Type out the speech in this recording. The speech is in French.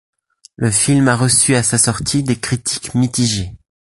Le film a reçu à sa sortie des critiques mitigées.